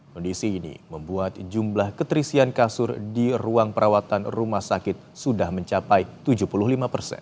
kondisi ini membuat jumlah keterisian kasur di ruang perawatan rumah sakit sudah mencapai tujuh puluh lima persen